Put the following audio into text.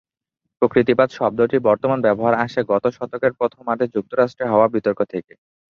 প্রকৃতিবাদ শব্দটির বর্তমান ব্যবহার আসে গত শতকের প্রথমার্ধে যুক্তরাষ্ট্রে হওয়া বিতর্ক থেকে।